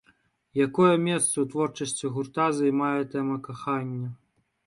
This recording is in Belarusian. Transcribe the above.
Якое месца ў творчасці гурта займае тэма кахання?